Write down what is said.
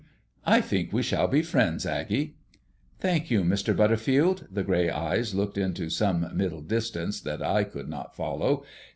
I think we shall be friends, Aggie." "Thank you, Mr. Butterfield." The grey eyes looked into some middle distance that I could not follow.